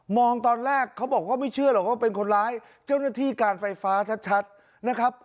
ตอนแรกเขาบอกว่าไม่เชื่อหรอกว่าเป็นคนร้ายเจ้าหน้าที่การไฟฟ้าชัดนะครับ